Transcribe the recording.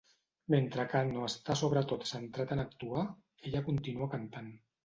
Mentre Kanno està sobretot centrat en actuar, ella continua cantant.